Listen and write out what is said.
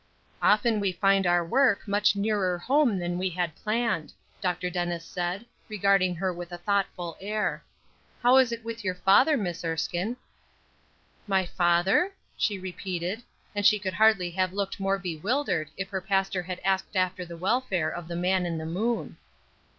"Often we find our work much nearer home than we had planned," Dr. Dennis said, regarding her with a thoughtful air. "How is it with your father, Miss Erskine?" "My father?" she repeated; and she could hardly have looked more bewildered if her pastor had asked after the welfare of the man in the moon.